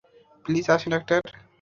Please আসেন, doctor.